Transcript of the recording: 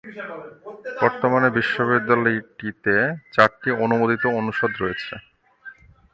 বর্তমানে বিশ্ববিদ্যালয়টিতে চারটি অনুমোদিত অনুষদ রয়েছে।